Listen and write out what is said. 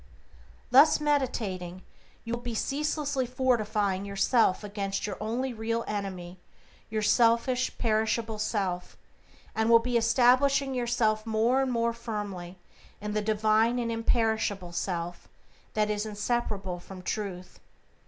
Thus meditating, you will be ceaselessly fortifying yourself against your only real enemy, your selfish, perishable self, and will be establishing yourself more and more firmly in the divine and imperishable self that is inseparable from Truth.